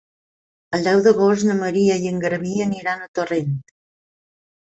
El deu d'agost na Maria i en Garbí aniran a Torrent.